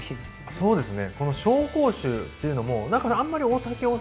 そうですね。